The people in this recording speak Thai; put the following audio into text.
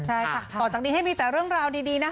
ใช่ค่ะต่อจากนี้ให้มีแต่เรื่องราวดีนะ